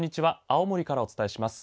青森からお伝えします。